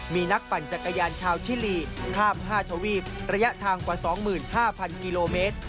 มีนักปั่นจักรยานชาวชิลีข้าม๕ทวีประยะทางกว่า๒๕๐๐กิโลเมตร